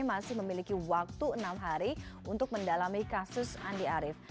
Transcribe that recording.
masih memiliki waktu enam hari untuk mendalami kasus andi arief